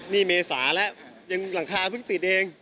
นี่เมษาแล้วยังหลังคาเพิ่งติดเอง